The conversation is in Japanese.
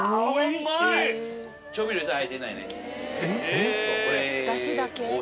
えっ？これ。